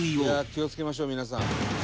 「気を付けましょう皆さん」